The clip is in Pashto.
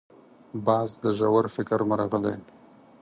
باز د ژور فکر مرغه دی